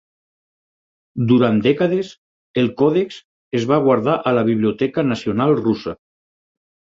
Durant dècades, el còdex es va guardar a la Biblioteca Nacional Russa.